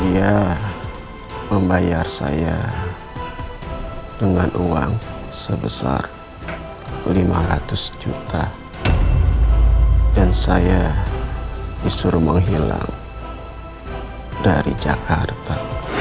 dia membayar saya dengan uang sebesar lima ratus juta dan saya disuruh menghilang dari jakarta